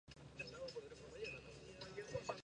Los casos asintomáticos suelen darse en adultos.